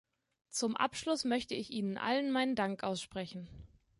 Zum Abschluss möchte ich Ihnen allen meinen Dank aussprechen.